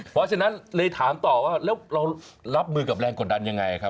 เพราะฉะนั้นเลยถามต่อว่าแล้วเรารับมือกับแรงกดดันยังไงครับ